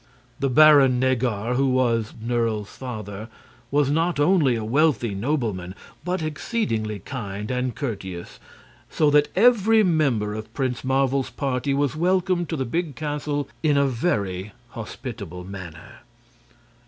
The Baron Neggar, who was Nerle's father, was not only a wealthy nobleman, but exceedingly kind and courteous; so that every member of Prince Marvel's party was welcomed to the big castle in a very hospitable manner.